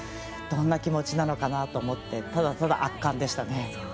どんな気持ちなのかなと思ってただただ圧巻でしたね。